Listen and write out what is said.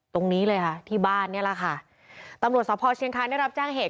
ตรงนี้เลยค่ะที่บ้านเนี่ยแหละค่ะตำรวจสภเชียงคานได้รับแจ้งเหตุ